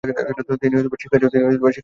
তিনি শিক্ষা জীবন শুরু করেন।